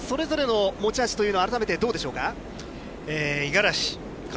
お互いそれぞれの持ち味というのは改めてどうでしょうか。